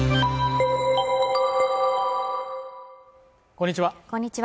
こんにちは